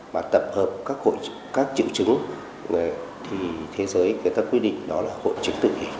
và tập hợp các triệu chứng thì thế giới người ta quy định đó là hội chứng tự kỷ